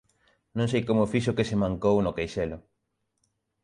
Non sei como fixo que se mancou no queixelo.